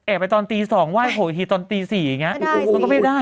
แอบไปตอนตี๒ไหว้โผล่วิธีตอนตี๔มันก็ไม่ได้